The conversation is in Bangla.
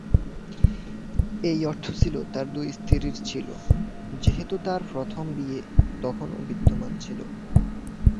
এর অর্থ ছিল তার দুই স্ত্রী ছিল, যেহেতু তার প্রথম বিয়ে তখনও বিদ্যমান ছিল।